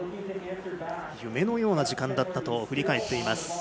夢のような時間だったと振り返っています。